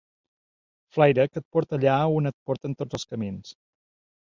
Flaire que et porta allà on et porten tots els camins.